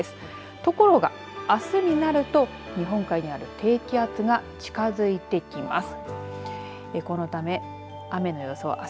ところがあすになると日本海側の低気圧が近づいてきます。